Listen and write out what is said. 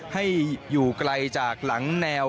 ให้อยู่ไกลจากหลังแนว